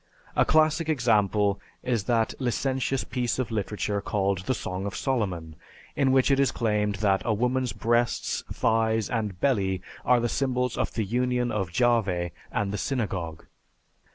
A classic example is that licentious piece of literature called the "Song of Solomon," in which it is claimed that a woman's breasts, thighs, and belly are the symbols of the union of Jahveh and the Synagogue.